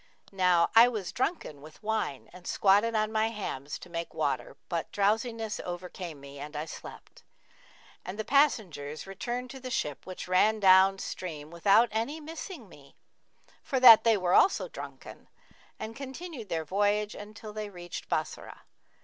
Now I was drunken with wine and squatted on my hams to make water; but drowsiness overcame me and I slept, and the passengers returned to the ship which ran down stream without any missing me, for that they also were drunken, and continued their voyage until they reached Bassorah.